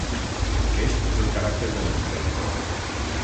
Aquest és el caràcter de l’emprenedor.